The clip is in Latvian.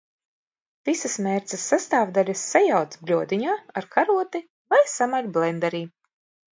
Visas mērces sastāvdaļas sajauc bļodiņā ar karoti vai samaļ blenderī.